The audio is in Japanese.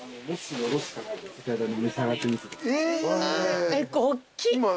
おっきい。